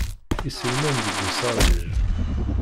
Iselman deg usarij.